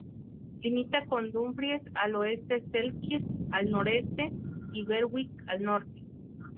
Limita con Dumfries al oeste, Selkirk al noroeste, y Berwick al norte.